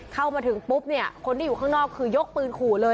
เข้ามาถึงปุ๊บเนี่ยคนที่อยู่ข้างนอกคือยกปืนขู่เลย